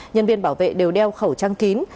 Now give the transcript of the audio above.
nhân viên bảo vệ đều đeo khẩu trang kín